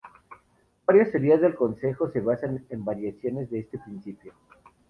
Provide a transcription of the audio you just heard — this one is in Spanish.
Varias teorías del consenso se basan en variaciones de este principio.